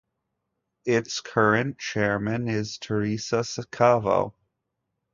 Its current chairman is Theresa Scavo.